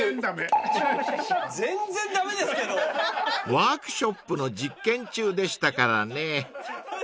［ワークショップの実験中でしたからね］